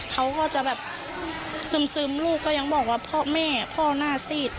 เขาก็จะแบบซึมลูกก็ยังบอกว่าพ่อแม่พ่อหน้าซีด